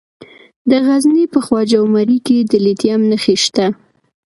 د غزني په خواجه عمري کې د لیتیم نښې شته.